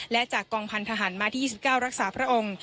และจากกองพันธหารมาที่๒๙รักษาพระองค์